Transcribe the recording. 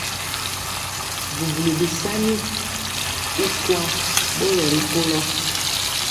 Bubuli bisaani y kuan bori rikolo.